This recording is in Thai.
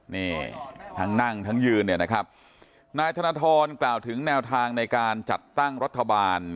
นี่ทั้งนั่งทั้งยืนเนี่ยนะครับนายธนทรกล่าวถึงแนวทางในการจัดตั้งรัฐบาล